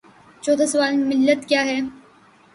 چوتھا سوال: ملت کیاہے؟